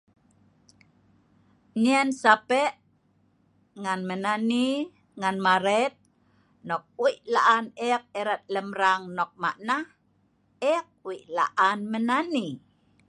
Nyen sape' ngan menani ngan maret nok wei la'an lem rang nok manah, eek wei la'an menani.